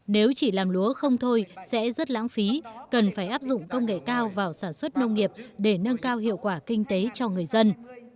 nếu chỉ làm lúa không thôi sẽ rất lãng phí cần phải áp dụng công nghệ cao vào sản xuất nông nghiệp để nâng cao hiệu quả kinh tế cho người dân